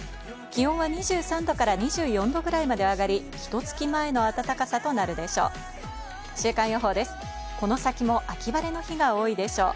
気温は２３度から２４度くらいまで上がり、ひと月前の暖かさとなるでしょう。